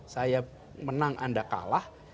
saya menang anda kalah